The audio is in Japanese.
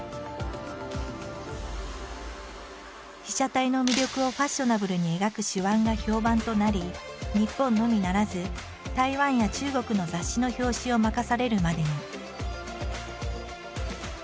被写体の魅力をファッショナブルに描く手腕が評判となり日本のみならず台湾や中国の雑誌の表紙を任されるまでに。